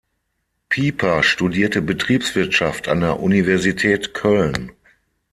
Pieper studierte Betriebswirtschaft an der Universität Köln.